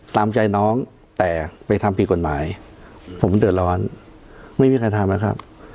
ตามใจน้องแต่ไปทำผิดกฎหมายผมเดือดร้อนไม่มีใครทำนะครับ